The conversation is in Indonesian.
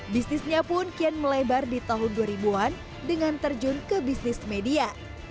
bisnisnya pun kian melebar di tahun dua ribu an dengan terjun ke bisnis media